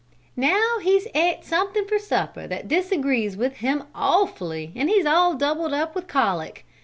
Now he's et something for supper that disagrees with him awfully and he's all doubled up with colic.